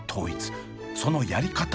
そのやり方とは？